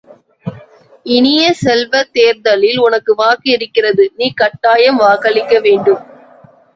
இனிய செல்வ, தேர்தலில் உனக்கு வாக்கு இருக்கிறது, நீ கட்டாயம் வாக்களிக்க வேண்டும்.